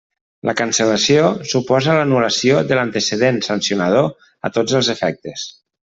La cancel·lació suposa l'anul·lació de l'antecedent sancionador a tots els efectes.